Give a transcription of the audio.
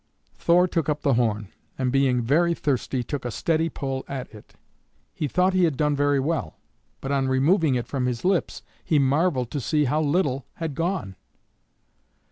Thor took up the horn, and, being very thirsty, took a steady pull at it. He thought he had done very well, but on removing it from his lips he marveled to see how little had gone.